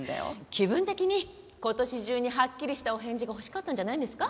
気分的に今年中にはっきりしたお返事が欲しかったんじゃないですか？